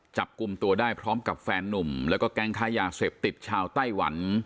จับกลุ่มตัวได้พร้อมกับแฟนนุ่มแล้วก็แก๊งค้ายาเสพติดชาวไต้หวัน